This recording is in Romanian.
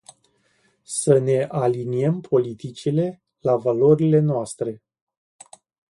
Să ne aliniem politicile la valorile noastre.